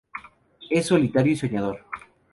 Es solitario y soñador.